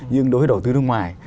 nhưng đối với đầu tư nước ngoài